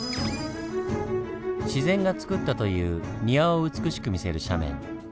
自然がつくったという庭を美しく見せる斜面。